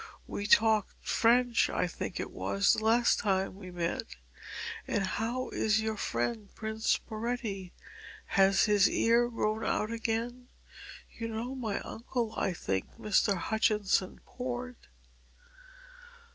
We talked French, I think it was, the last time we met. And how is your friend Prince Sporetti? Has his ear grown out again? You know my uncle, I think? Mr. Hutchinson Port."